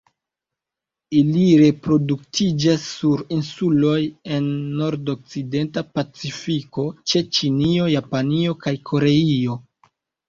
Ili reproduktiĝas sur insuloj en nordokcidenta Pacifiko ĉe Ĉinio, Japanio kaj Koreio.